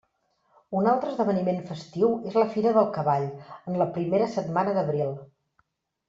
Un altre esdeveniment festiu és la Fira del Cavall, en la primera setmana d'abril.